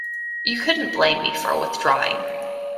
You couldn't blame me for withdrawing.